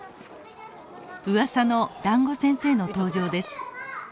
うわさのだんご先生の登場です。